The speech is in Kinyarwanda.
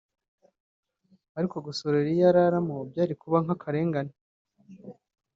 ariko ‘gusorera iyo araramo byari kuba nk’akarengane’